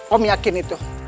om yakin itu